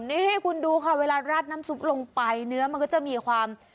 นี่ให้คุณดูค่ะเวลาราดน้ำซุปลงไปเนื้อมันก็จะมีความ